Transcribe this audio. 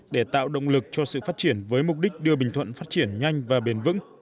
để tạo động lực cho sự phát triển với mục đích đưa bình thuận phát triển nhanh và bền vững